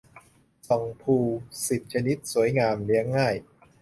ส่องพลู สิบ ชนิด สวยงาม เลี้ยงง่าย